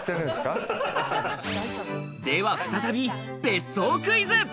では再び別荘クイズ。